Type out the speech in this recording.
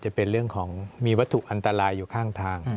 จะเป็นเรื่องของมีวัตถุอันตรายอยู่ข้างทาง